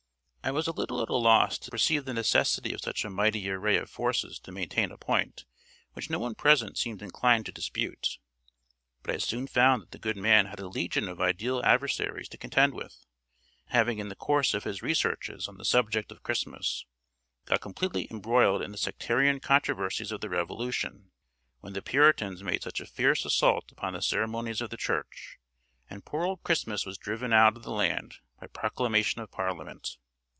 I was a little at a loss to perceive the necessity of such a mighty array of forces to maintain a point which no one present seemed inclined to dispute; but I soon found that the good man had a legion of ideal adversaries to contend with; having in the course of his researches on the subject of Christmas, got completely embroiled in the sectarian controversies of the Revolution, when the Puritans made such a fierce assault upon the ceremonies of the Church, and poor old Christmas was driven out of the land by proclamation of parliament.